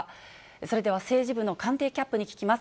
それでは、政治部の官邸キャップに聞きます。